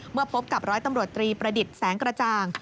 พบกับร้อยตำรวจตรีประดิษฐ์แสงกระจ่าง